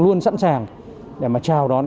luôn sẵn sàng để mà chào đón